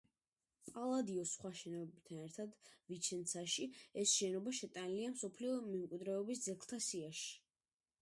პალადიოს სხვა შენობებთან ერთად ვიჩენცაში, ეს შენობა შეტანილია მსოფლიო მემკვიდრეობის ძეგლთა სიაში.